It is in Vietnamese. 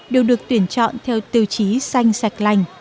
đều được tuyển chọn theo tiêu chí xanh sạch lành